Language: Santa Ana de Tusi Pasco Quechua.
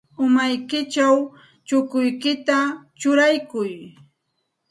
Umaykićhaw chukuykita churaykuy.